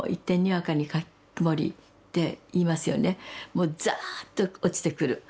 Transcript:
もうザーッと落ちてくる音。